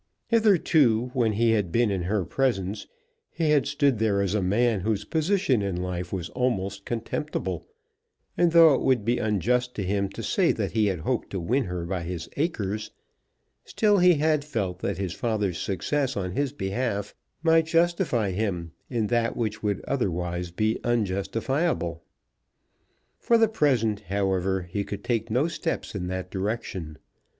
Hitherto when he had been in her presence, he had stood there as a man whose position in life was almost contemptible; and though it would be unjust to him to say that he had hoped to win her by his acres, still he had felt that his father's success on his behalf might justify him in that which would otherwise be unjustifiable. For the present, however, he could take no steps in that direction.